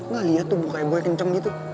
gak liat tuh bukanya gue kenceng gitu